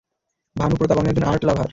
ভানু প্রতাপ, আমি একজন আর্ট লাভার।